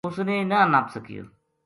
اس نے نہ نپ سکیو